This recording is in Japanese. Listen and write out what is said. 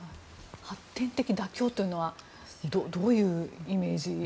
発展的な妥協というのはどういうイメージ？